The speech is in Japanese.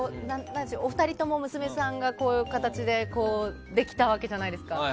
お二人とも娘さんがこういう形でできたわけじゃないですか。